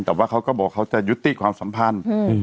แต่ว่าเขาก็บอกเขาจะยุติความสัมพันธ์